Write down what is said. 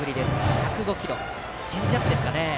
１０５キロ、チェンジアップか。